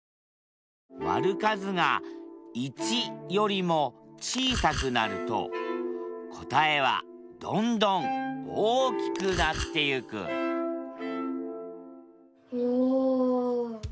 割る数が１よりも小さくなると答えはどんどん大きくなってゆくおお！